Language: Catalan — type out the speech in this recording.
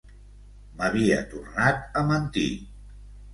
M'havia tornat a mentir.